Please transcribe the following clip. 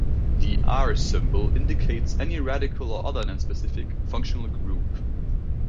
The "R" symbol indicates any radical or other non-specific functional group.